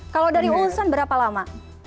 kalau dari hulusan berapa lama